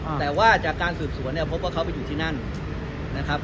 แต่ว่าจากการสืบสวนเนี่ยพบว่าเขาไปอยู่ที่นั่นนะครับ